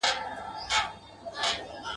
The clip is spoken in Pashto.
زرکي وویل پر ما باندي قیامت وو ..